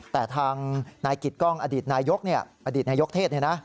แต่ทางนายกิตกล้องอดีตนายกอดีตนายกเทศ